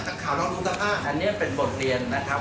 แต่เรารึมดูที่แก๑๑๒อันนี้เป็นบฏเรียนของรู้สึกหมาก